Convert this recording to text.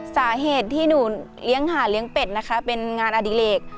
สาเหตุที่หนูเลี้ยงหาเลี้ยงเป็ดนะคะเป็นงานอดิเลก